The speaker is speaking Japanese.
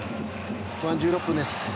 後半１６分です。